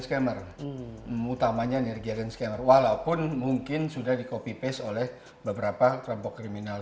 scammer utamanya nirgaren scammer walaupun mungkin sudah di copy paste oleh beberapa kelompok kriminal